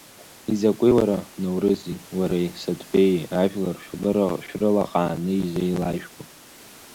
Изакәи уара, Наурызи, уареи, Саҭбеии ажәлар шәрылаҟааны изеилажәго?